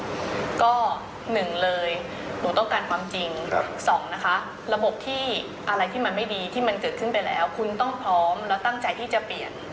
สองระบบที่อะไรที่มันไม่ดีที่มันเกิดขึ้นไปแล้วคุณต้องพร้อมและตั้งใจที่จะเปลี่ยน